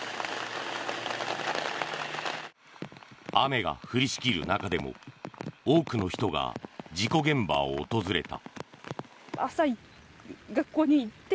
雨が降りしきる中でも多くの人が事故現場を訪れた。